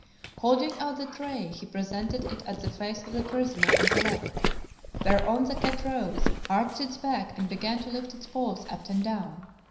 Holding out the tray, he presented it at the face of the prisoner on the left, whereon the cat rose, arched its back and began to lift its paws up and down.